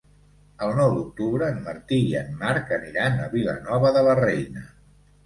El nou d'octubre en Martí i en Marc aniran a Vilanova de la Reina.